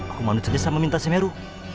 aku manusia desa meminta semeru